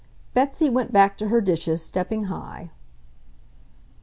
Betsy went back to her dishes, stepping high.